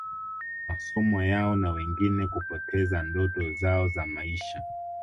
masomo yao na wengine kupoteza ndoto zao za maisha